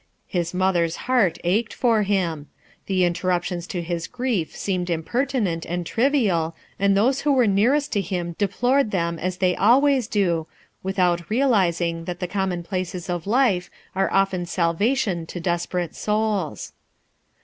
His mother's heart ached for him. The interruptions to his grief seemed impertinent and trivial, and those who were nearest to him deplored them as they always SOMETHING HAD IIAPPEXEn» , d0f without realizing that the commonplaces of life are often salvation to desperate souls.